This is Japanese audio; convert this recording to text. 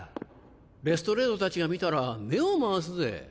レストレードたちが見たら目を回すぜ。